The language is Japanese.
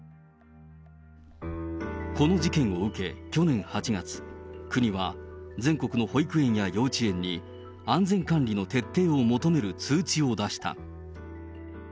この事件を受け、去年８月、国は全国の保育園や幼稚園に、安全管理の徹底を求める通知を出した。